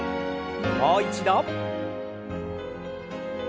もう一度。